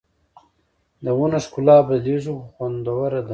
د ونو ښکلا بدلېږي خو خوندوره ده